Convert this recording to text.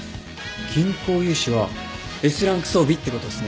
銀行融資はＳランク装備ってことっすね。